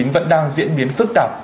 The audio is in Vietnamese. vẫn đang diễn biến phức tạp